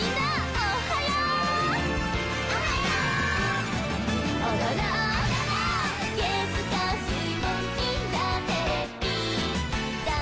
「おはよー！」